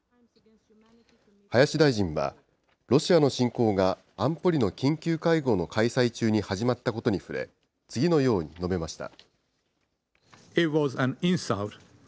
林大臣は、ロシアの侵攻が安保理の緊急会合の開催中に始まったことに触れ、次のように述べました。